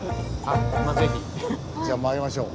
じゃまいりましょう。